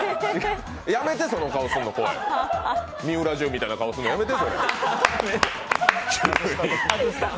やめて、その顔すんの怖いみうらじゅんみたいな顔するのやめて。